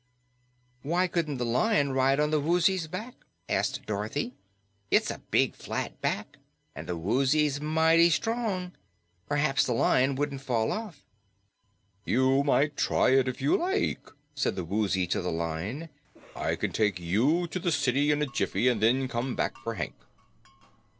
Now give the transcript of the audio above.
"Why couldn't the Lion ride on the Woozy's back?" asked Dorothy. "It's a big, flat back, and the Woozy's mighty strong. Perhaps the Lion wouldn't fall off." "You may try it if you like," said the Woozy to the Lion. "I can take you to the city in a jiffy and then come back for Hank."